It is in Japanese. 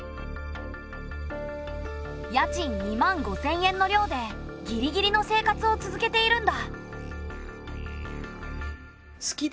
家賃２万５，０００円のりょうでギリギリの生活を続けているんだ。